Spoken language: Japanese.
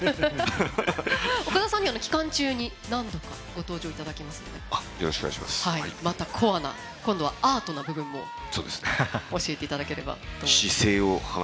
岡田さんには期間中に何度かご登場いただきますのでまたコアな今度はアートな部分を教えていただければ思います。